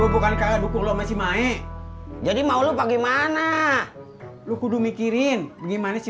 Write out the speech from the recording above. im bukan kaget dukung lo masih maik jadi mau lu bagaimana lu kudu mikirin gimana si